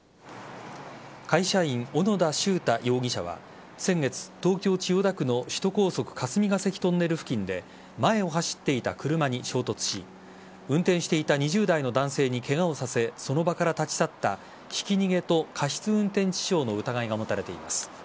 会社員・小野田秀太容疑者は先月、東京・千代田区の首都高速霞が関トンネル付近で前を走っていた車に衝突し運転していた２０代の男性にケガをさせその場から立ち去ったひき逃げと過失運転致傷の疑いが持たれています。